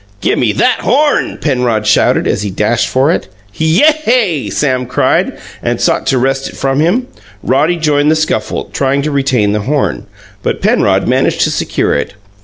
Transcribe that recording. "Gimme that HORN!" Penrod shouted, as he dashed for it. "YAY!" Sam cried, and sought to wrest it from him. Roddy joined the scuffle, trying to retain the horn; but Penrod managed to secure it.